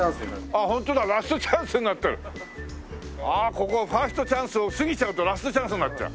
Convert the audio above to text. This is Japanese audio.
ここファーストチャンスを過ぎちゃうとラストチャンスになっちゃう。